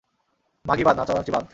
মাগি বাদ, নাচানাচি বাদ।